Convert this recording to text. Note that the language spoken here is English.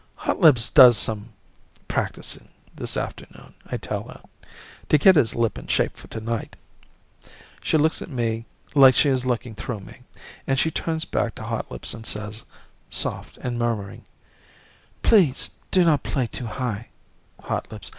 "Hotlips does some practicing this afternoon," I tell her, "to get his lip in shape for tonight." She looks at me like she is looking through me, and then she turns back to Hotlips and says, soft and murmuring: "Please do not play too high, Hotlips.